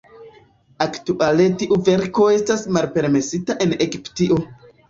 Aktuale tiu verko estas malpermesita en Egiptio.